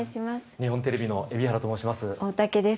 日本テレビの蛯原と申します。